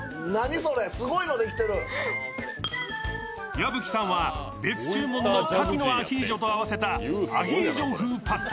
矢吹さんは別注文のかきのアヒージョと合わせたアヒージョ風パスタ。